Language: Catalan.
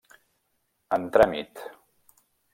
En tràmit.